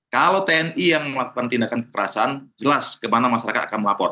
kalau tni yang melakukan tindakan kekerasan jelas kemana masyarakat akan melapor